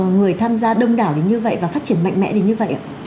người tham gia đông đảo đến như vậy và phát triển mạnh mẽ đến như vậy ạ